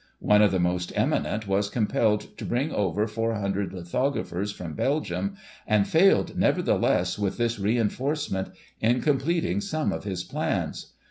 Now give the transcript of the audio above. One of the most eminent was compelled to bring over four hundred lithographers from Belgium, and failed, nevertheless, with this reinforcement, in completing some of his plans.